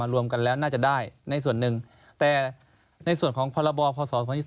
รวมกันแล้วน่าจะได้ในส่วนหนึ่งแต่ในส่วนของพรบพศ๒๔